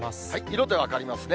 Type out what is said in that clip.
色で分かりますね。